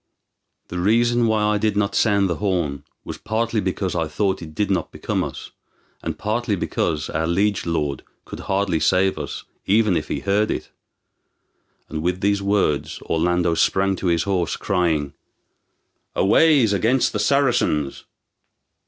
The reason why I did not sound the horn was partly because I thought it did not become us, and partly because our liege lord could hardly save us, even if he heard it." And with these words Orlando sprang to his horse, crying, "Aways against the Saracens!"